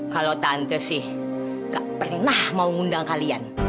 kalau tante sih gak pernah mau ngundang kalian